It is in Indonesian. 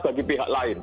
bagi pihak lain